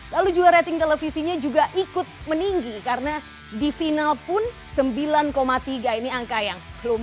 lalu juga rating televisinya juga ikut meninggi karena di final pun sembilan tiga ini angka yang lumayan